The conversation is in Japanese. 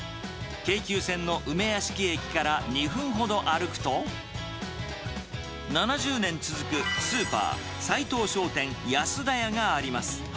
京急線の梅屋敷駅から２分ほど歩くと、７０年続くスーパー、斉藤商店安田屋があります。